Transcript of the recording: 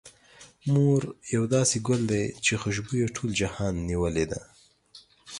مور يو داسې ګل ده، چې خوشبو يې ټول جهان نيولې ده.